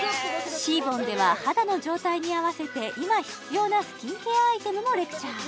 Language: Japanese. Ｃ’ＢＯＮでは肌の状態に合わせて今必要なスキンケアアイテムもレクチャー